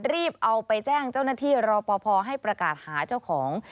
รีบเอาไปแจ้งเจ้าหน้าที่รอปภให้ประกาศหาเจ้าของ